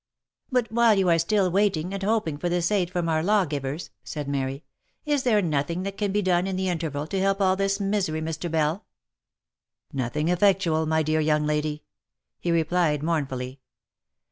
" But while you are still waiting and hoping for this aid from our lawgivers," said Mary, " is there nothing that can be done in the in terval to help all this misery, Mr. Bell V y " Nothing effectual, my dear young lady," he replied mournfully.